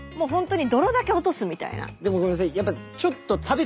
でもごめんなさい